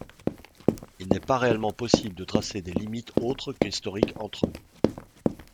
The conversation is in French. Il n'est pas réellement possible de tracer des limites autres qu'historiques entre eux.